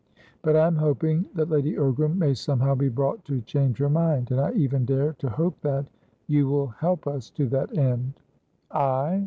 But I am hopingthat Lady Ogram may somehow be brought to change her mind. And I even dare to hope thatyou will help us to that end." "I?